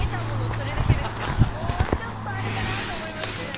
もうちょっとあるかなと思いましたけど。